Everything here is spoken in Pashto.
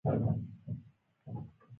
زموږ نیکونه فوت شوي دي